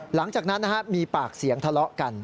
หลังจากนั้นมีปากเสียงทะเลาะกัน